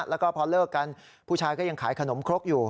แล้วก็พอเลิกกันผู้ชายก็ยังขายขนมครกอยู่